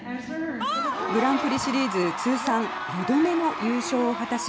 グランプリシリーズ通算２度目の優勝を果たし